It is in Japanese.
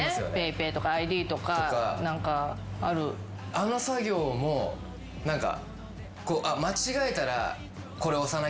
あの作業も何か。